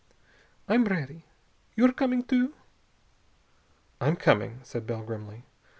"I'm ready. You're coming, too?" "I'm coming," said Bell grimly.